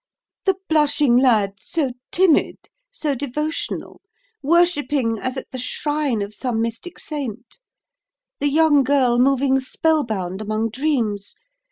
"The blushing lad, so timid, so devotional, worshipping as at the shrine of some mystic saint; the young girl moving spell bound among dreams!